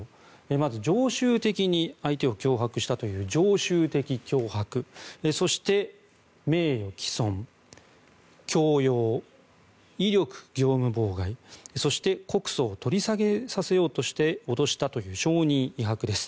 まず常習的に相手を脅迫したという常習的脅迫そして、名誉毀損強要、威力業務妨害そして告訴を取り下げさせようとして脅したという証人威迫です。